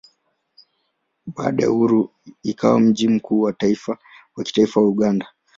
Baada ya uhuru ikawa mji mkuu wa kitaifa wa Uganda.